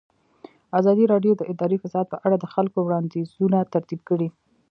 ازادي راډیو د اداري فساد په اړه د خلکو وړاندیزونه ترتیب کړي.